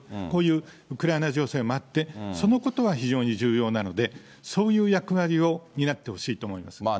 こういうウクライナ情勢もあって、そのことは非常に重要なので、そういう役割を担ってほしいと思います。